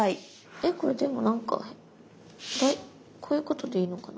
えこれでもなんかこういうことでいいのかな？